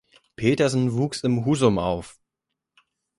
Petersen wuchs in Husum auf.